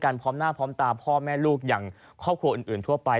พร้อมหน้าพร้อมตาพ่อแม่ลูกอย่างครอบครัวอื่นทั่วไป